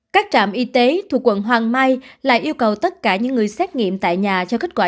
các trạm y tế thuộc quận hoàng mai lại yêu cầu tất cả những người xét nghiệm tại nhà